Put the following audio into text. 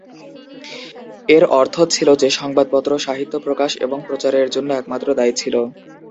এর অর্থ ছিল যে সংবাদপত্র সাহিত্য প্রকাশ এবং প্রচারের জন্য একমাত্র দায়ী ছিল।